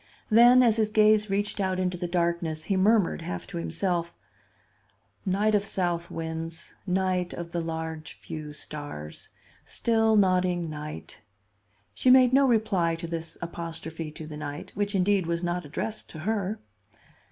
Then as his gaze reached out into the darkness, he murmured, half to himself: "'Night of south winds—night of the large few stars! Still nodding night—'" She made no reply to this apostrophe to the night, which, indeed, was not addressed to her.